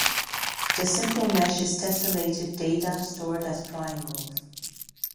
The simple mesh is tessellated data stored as triangles.